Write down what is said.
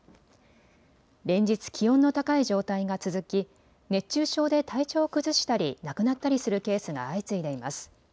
連日、気温の高い状態が続き熱中症で体調を崩したり亡くなったりするケースが相次いでいます。